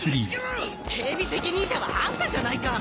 警備責任者はあんたじゃないか！